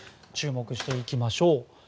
注目していきましょう。